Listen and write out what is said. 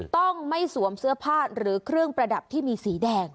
ต้องไม่สวมเสื้อผ้าหรือเครื่องประดับที่มีสีแดง